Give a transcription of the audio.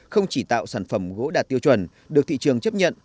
không chỉ tạo sản phẩm gỗ đạt tiêu chuẩn được thị trường chấp nhận